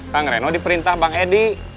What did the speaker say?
kang reno diperintah bang edi